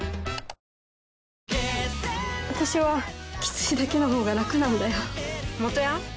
私はきついだけのほうが楽なんだよ元ヤン？